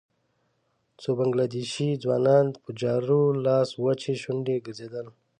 څو بنګله دېشي ځوانان په جارو لاس وچې شونډې ګرځېدل.